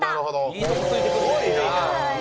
いいとこ突いてくるね。